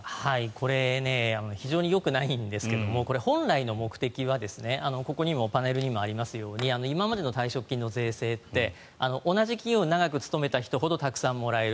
これ非常によくないんですが本来の目的は、ここに今パネルにもありますように今までの退職金の税制って同じ企業に長く勤めた人ほどたくさんもらえる。